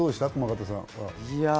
駒形さん。